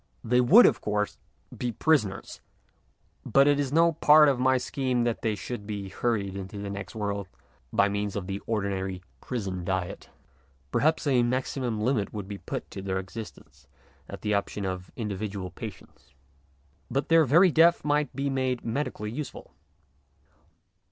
They would, of course, be prisoners, but it is no part of my scheme that they should be hurried into the next world by means of the ordinary prison diet. Perhaps a maximum limit would be put to their existence at the option of individual patients. But their very death might be made medically useful.